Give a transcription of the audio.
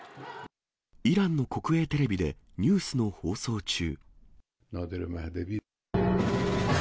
イランの国営テレビでニュースの放送中。